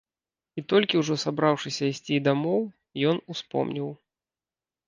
І толькі ўжо сабраўшыся ісці дамоў, ён успомніў.